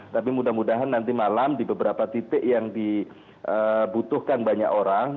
tapi mudah mudahan nanti malam di beberapa titik yang dibutuhkan banyak orang